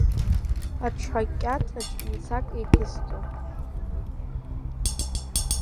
Аҽҳәа кьаҭаҿ мцак еиқәысҵон.